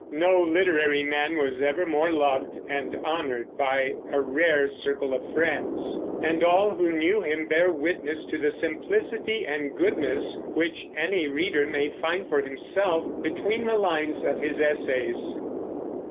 No literary man was ever more loved and honored by a rare circle of friends; and all who knew him bear witness to the simplicity and goodness which any reader may find for himself between the lines of his essays.